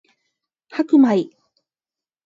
白米